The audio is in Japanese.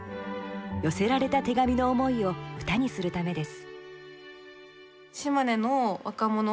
寄せられた手紙の思いを歌にするためです。